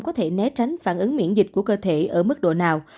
có thể né tránh phản ứng miễn dịch của cơ thể ở mức độ nào